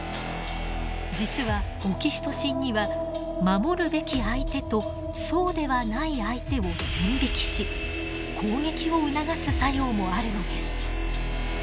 実はオキシトシンには守るべき相手とそうではない相手を線引きし攻撃を促す作用もあるのです。